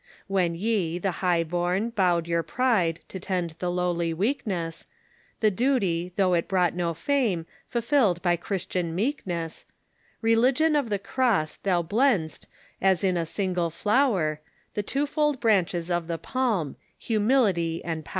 AVhen ye, the high born, bowed your pride to tend the lowl}'^ weakness, The duty, though it brought no fame, fulfilled by Christian meekness — Religion of the Cross, thou blend'st, as in a single flower, The twofold branches of the palm — Humility and Power."